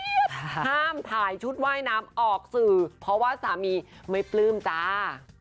ห้ามถ่ายชุดว่ายน้ำออกสื่อเพราะว่าสามีไม่ปลื้มจ้า